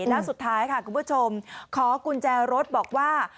แล้วสุดท้ายค่ะคุณผู้ชมขอกุญแจรถบอกว่า